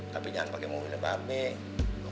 tapi jangan pakai mobilnya pak